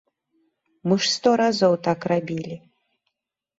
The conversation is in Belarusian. Мы ж сто разоў так рабілі.